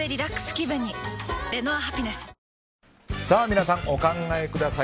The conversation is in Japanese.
皆さん、お考えください。